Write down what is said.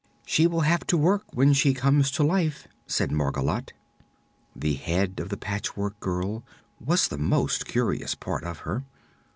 "She will have to work, when she comes to life," said Margolotte. The head of the Patchwork Girl was the most curious part of her.